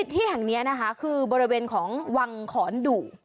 ที่แห่งนี้นะคะคือบริเวณของวังขอนดุ